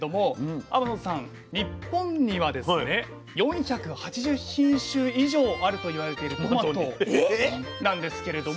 日本にはですね４８０品種以上あると言われているトマトなんですけれども。